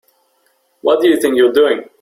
What do you think you're doing?